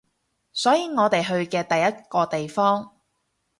所以我哋去嘅第一個地方